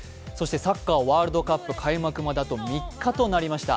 サッカーワールドカップ開幕まであと３日となりました。